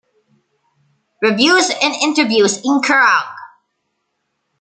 Reviews and interviews in Kerrang!